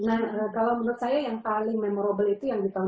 nah kalau menurut saya yang paling memorable itu yang di tahun dua ribu dua